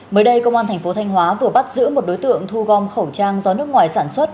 mới đây công an thành phố thanh hóa vừa bắt giữ một đối tượng thu gom khẩu trang do nước ngoài sản xuất